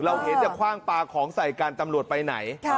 เราเห็นอย่าคว่างปลาของใส่การตำรวจไปไหน